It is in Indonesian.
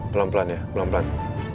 pelan pelan ya pelan pelan